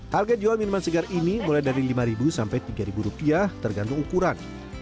harga jual minuman segar ini mulai dari lima ribu sampai tiga ribu rupiah tergantung ukuran